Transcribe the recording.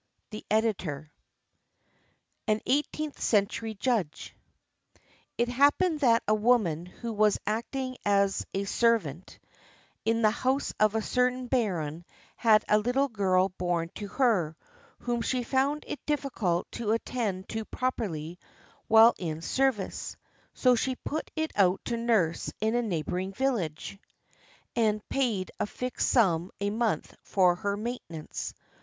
The Editor.] AN EIGHTEENTH CENTURY JUDGE It happened that a woman who was acting as a servant in the house of a certain baron had a little girl born to her, whom she found it difficult to attend to properly while in service ; so she put it out to nurse in a neighboring village, and paid a fixed sum a month for her maintenance.